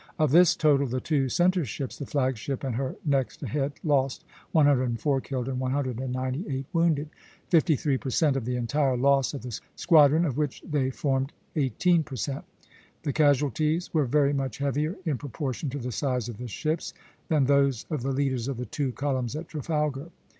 Of this total, the two centre ships, the flag ship and her next ahead, lost 104 killed and 198 wounded, fifty three per cent of the entire loss of the squadron, of which they formed eighteen per cent. The casualties were very much heavier, in proportion to the size of the ships, than those of the leaders of the two columns at Trafalgar.